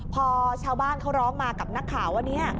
พอชาวบ้านเขาร้องมากับนักข่าวว่าเนี่ย